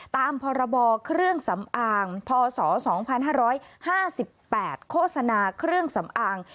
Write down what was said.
ตามพคส๒๕๕๘โฆษณาเครื่องสำอาง